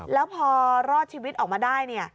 แล้วพอรอดชีวิตออกมาได้